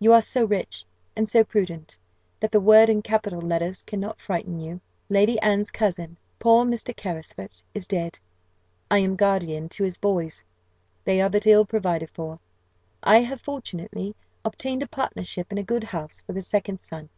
You are so rich, and so prudent, that the word in capital letters cannot frighten you. Lady Anne's cousin, poor Mr. Carysfort, is dead. I am guardian to his boys; they are but ill provided for. I have fortunately obtained a partnership in a good house for the second son.